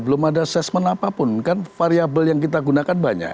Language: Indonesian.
belum ada assessment apapun kan variable yang kita gunakan banyak